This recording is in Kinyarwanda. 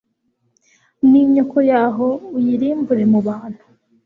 n’inyoko yabo uyirimbure mu bantu